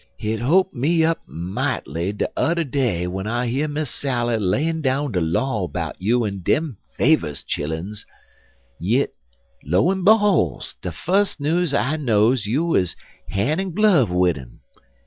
Hit hope me up might'ly de udder day w'en I hear Miss Sally layin' down de law 'bout you en dem Favers chillun, yit, lo en behol's, de fus news I knows yer you is han' in glove wid um.